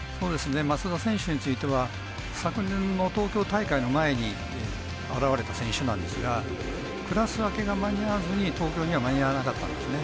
松田選手については昨年の東京大会の前に現れた選手なんですがクラス分けが間に合わずに東京には間に合わなかったんですね。